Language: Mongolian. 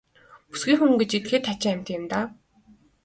Бүсгүй хүн гэж этгээд хачин амьтан юм.